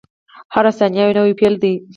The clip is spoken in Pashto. • هره ثانیه یو نوی پیل دی.